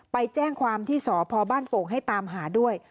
ไปแจ้งความที่สพบ้านโป่งให้ตามหาด้วย